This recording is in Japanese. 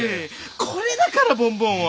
これだからボンボンは！